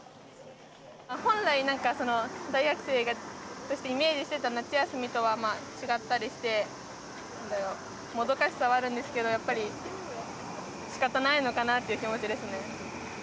本来、なんか大学生としてイメージしてた夏休みとは違ったりして、もどかしさはあるんですけど、やっぱりしかたないのかなという気持ちですね。